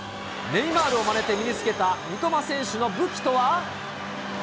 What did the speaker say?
ネイマールをまねて身に着けた三笘選手の武器とは？